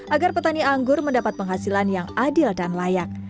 agar petani anggur mendapat penghasilan yang adil dan layak